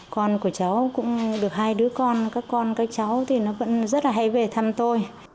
con của cháu cũng được hai đứa con các con các cháu thì nó vẫn rất là hay về thăm tôi